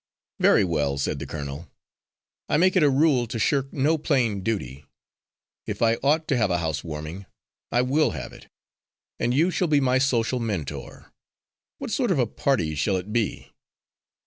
"Very well," said the colonel. "I make it a rule to shirk no plain duty. If I ought to have a house warming, I will have it. And you shall be my social mentor. What sort of a party shall it be?"